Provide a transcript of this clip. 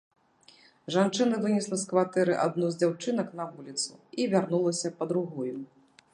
Жанчына вынесла з кватэры адну з дзяўчынак на вуліцу і вярнулася па другую.